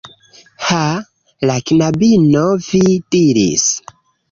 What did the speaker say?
Ha? La knabino, vi diris